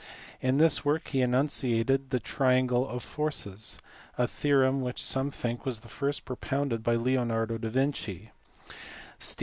In this work he enunciated the triangle of forces a theorem which some think was first propounded by Leonardo da Vinci (see above, p.